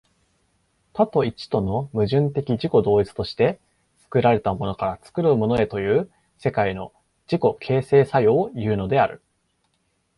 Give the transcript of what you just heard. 多と一との矛盾的自己同一として、作られたものから作るものへという世界の自己形成作用をいうのである。